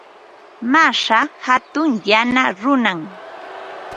Mashaa hatun yana runam.